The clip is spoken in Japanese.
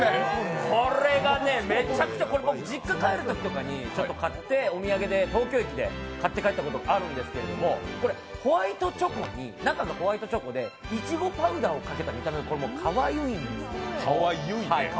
これがね、めちゃくちゃ、僕、実家帰るときとかにお土産で東京駅で買って帰ったことあるんですけど、中がホワイトチョコでいちごパウダーをかけた見た目かわゆいんです。